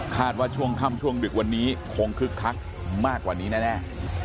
ว่าช่วงค่ำช่วงดึกวันนี้คงคึกคักมากกว่านี้แน่